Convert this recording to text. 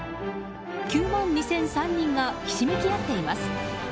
９万２００３人がひしめき合っています。